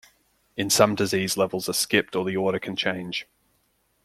In some disease levels are skipped or the order can change.